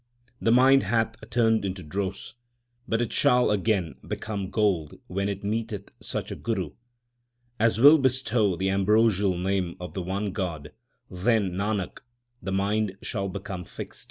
The mind hath turned into dross, but it shall again become gold when it meeteth such a Guru As will bestow the ambrosial name of the one God; then, Nanak, the mind shall become fixed.